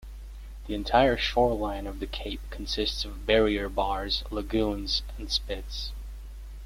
The entire shoreline of the cape consists of barrier bars, lagoons and spits.